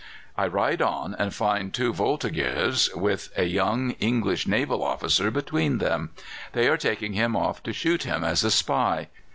I ride on, and find two Voltigeurs with a young English naval officer between them. They are taking him off to shoot him as a spy.